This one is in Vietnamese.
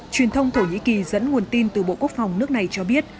truyền thông thổ nhĩ kỳ dẫn nguồn tin từ bộ quốc phòng nước này cho biết